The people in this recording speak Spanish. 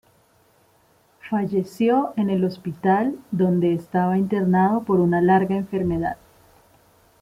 Falleció en el hospital donde estaba internado por una larga enfermedad.